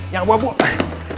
yang buah buah